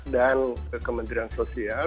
dan kementerian sosial